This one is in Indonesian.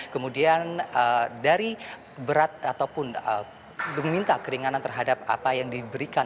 kemudian dari berat ataupun meminta keringanan terhadap apa yang diberikan